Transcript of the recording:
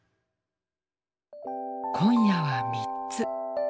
今夜は３つ。